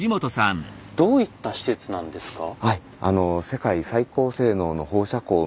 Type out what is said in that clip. どういった施設なんですか？